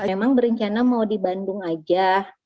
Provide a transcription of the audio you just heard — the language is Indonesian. emang berencana mau di bandung aja